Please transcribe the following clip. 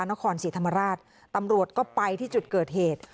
นครศรีธรรมราชตำรวจก็ไปที่จุดเกิดเหตุ